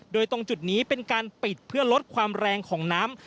โดยตรงจุดนี้เป็นการปิดเพื่อลดความแรงของน้ำ